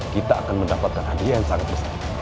kita akan mendapatkan hadiah yang sangat besar